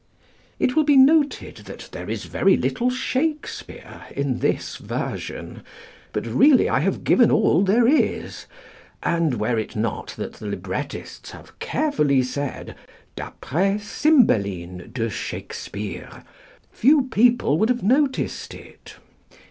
It will be noted that there is very little Shakespeare in this version, but, really, I have given all there is; and were it not that the librettists have carefully said, "d'aprés Cymbeline de Shakespeare," few people would have noticed it.